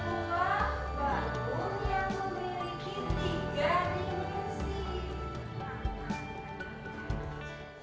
sebuah bangun yang memiliki tiga dimensi